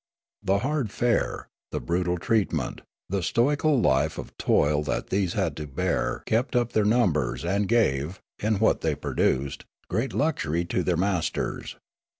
The hard fare, the brutal treatment, the stoical life of toil that these had to bear kept up their numbers and gave, in what the)^ produced, great luxury to their masters.